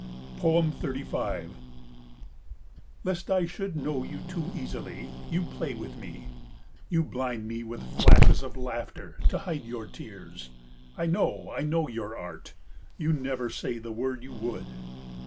35 Lest I should know you too easily, you play with me. You blind me with flashes of laughter to hide your tears. I know, I know your art. You never say the word you would.